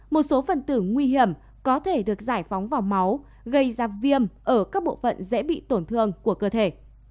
một số phần tử nguy hiểm có thể được giải phóng vào máu gây ra viêm ở các bộ phận dễ bị tổn thương của cơ thể